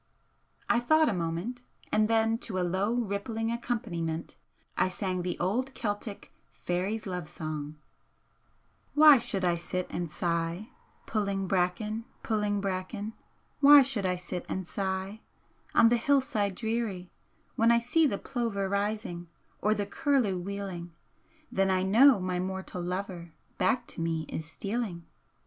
I thought a moment, and then to a low rippling accompaniment I sang the old Celtic 'Fairy's Love Song' "Why should I sit and sigh, Pu'in' bracken, pu'in' bracken, Why should I sit and sigh, On the hill side dreary When I see the plover rising, Or the curlew wheeling, Then I know my mortal lover Back to me is stealing.